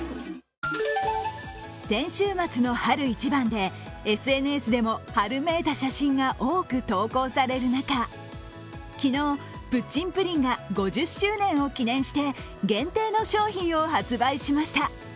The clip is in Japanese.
先週末の春一番でＳＮＳでも春めいた写真が多く投稿される中、昨日、プッチンプリンが５０周年を記念して限定の商品を発売しました。